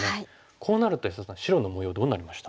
こうなると安田さん白の模様どうなりました？